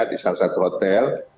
di salah satu hotel